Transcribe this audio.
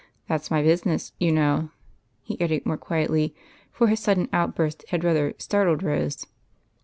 That 's my business, you know," he added, more quietly, for his sudden outburst had rather startled Rose.